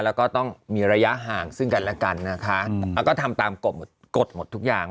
แล้วก็ต้องมีระยะห่างซึ่งกันและกันนะคะก็ทำตามกฎหมดทุกอย่าง